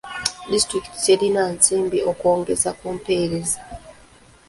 Disitulikiti terina nsimbi okwongeza ku mpeereza.